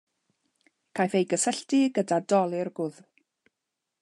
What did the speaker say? Caiff ei gysylltu gyda dolur gwddw.